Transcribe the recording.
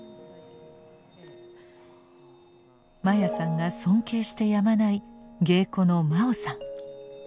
真矢さんが尊敬してやまない芸妓の真生さん。